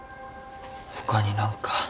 他に何か。